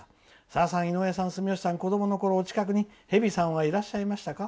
さださん、井上さん、住吉さんはお近くに蛇さんはいらっしゃいましたか？